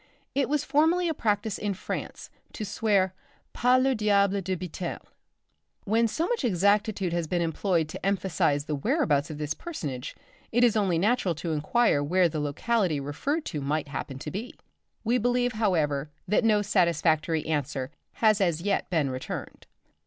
It was formerly a practice in France to swear par le diable de Biterne. When so much exactitude had been employed to emphasise the whereabouts of this personage, it is only natural to inquire where the locality referred to might happen to be. We believe, however, that no satisfactory answer has as yet been returned.